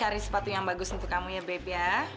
mami ada sepatu yang bagus untuk kamu ya babe